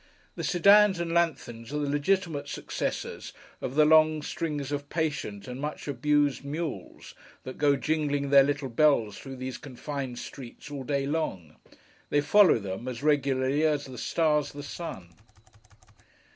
The sedans and lanthorns are the legitimate successors of the long strings of patient and much abused mules, that go jingling their little bells through these confined streets all day long. They follow them, as regularly as the stars the sun.